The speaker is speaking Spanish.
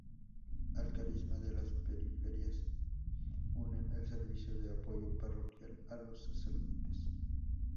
Al carisma de las periferias, unen el servicio de apoyo parroquial a los sacerdotes.